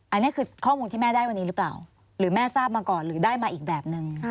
อันนี้คือข้อมูลที่แม่ได้วันนี้หรือเปล่าหรือแม่ทราบมาก่อนหรือได้มาอีกแบบนึง